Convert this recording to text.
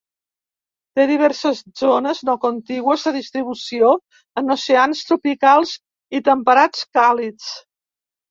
Té diverses zones no contigües de distribució en oceans tropicals i temperats càlids.